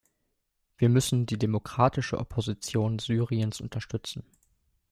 Wir müssen die demokratische Opposition Syriens unterstützen!